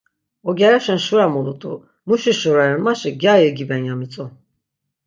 Ogyareşen şura mulut̆u, muşi şura ren maşi, gyari igiben ya mitzu.